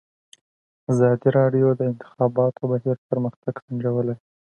ازادي راډیو د د انتخاباتو بهیر پرمختګ سنجولی.